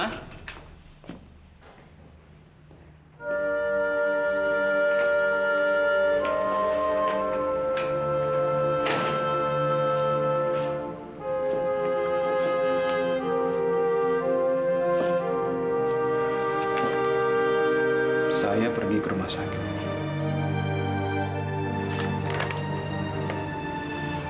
saya pergi ke rumah sakit